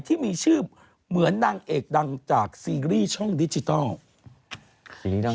ที่มีชื่อเหมือนนางเอกดังจากซีรีส์ช่องดิจิทัล